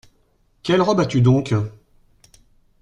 Quelle robe as-tu donc ?